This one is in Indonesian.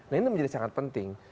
nah ini menjadi sangat penting